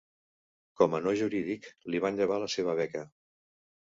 Com a no jurídic, li van llevar la seva beca.